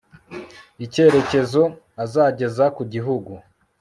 icyerecyezo azageza ku gihugu